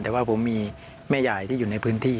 แต่ว่าผมมีแม่ยายที่อยู่ในพื้นที่